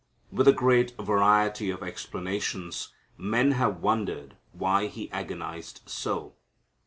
With a great variety of explanations men have wondered why He agonized so.